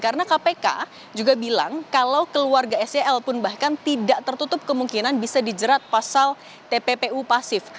karena kpk juga bilang kalau keluarga sel pun bahkan tidak tertutup kemungkinan bisa dijerat pasal tppu pasif